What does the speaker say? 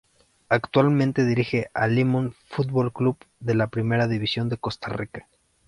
Actualmente dirige a Limón Fútbol Club, de la Primera División de Costa Rica.